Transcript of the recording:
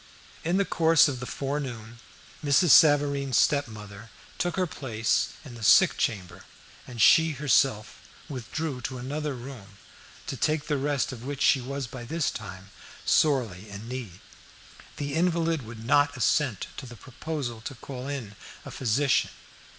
In the course of the forenoon Mrs. Savareen's stepmother took her place in the sick chamber, and she herself withdrew to another room to take the rest of which she was by this time sorely in need. The invalid would not assent to the proposal to call in a physician.